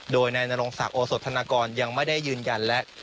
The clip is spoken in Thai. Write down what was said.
โดยนายนรงศักดิ์โอสธนากรยังไม่ได้ยืนยันและ